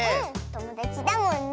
ともだちだもんね。